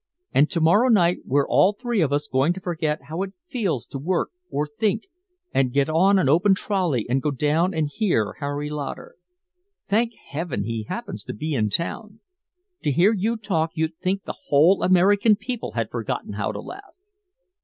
And to morrow night we're all three of us going to forget how it feels to work or think, and get on an open trolley and go down and hear Harry Lauder. Thank Heaven he happens to be in town. To hear you talk you'd think the whole American people had forgotten how to laugh.